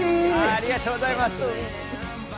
ありがとうございます。